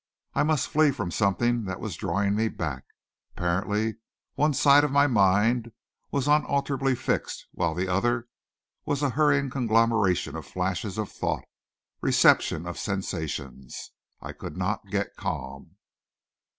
I must flee from something that was drawing me back. Apparently one side of my mind was unalterably fixed, while the other was a hurrying conglomeration of flashes of thought, reception of sensations. I could not get calm.